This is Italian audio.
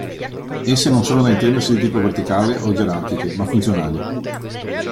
Esse non sono da intendersi di tipo verticale o gerarchiche ma funzionali.